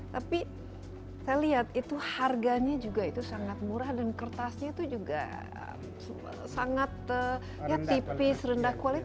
tapi saya lihat itu harganya juga itu sangat murah dan kertasnya itu juga sangat ya tipis rendah kualitas